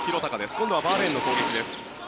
今度はバーレーンの攻撃です。